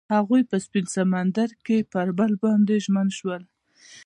هغوی په سپین سمندر کې پر بل باندې ژمن شول.